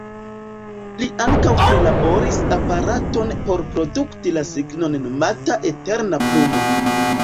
Li ankaŭ prilaboris aparaton por produkti la signon, nomata „eterna plumo”.